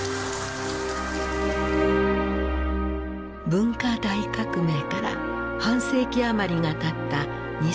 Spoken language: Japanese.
文化大革命から半世紀余りがたった２０１４年。